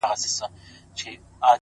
په يويشتم قرن کي داسې محبت کومه;